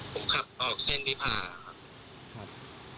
ผมขับออกเส้นวิภาครับ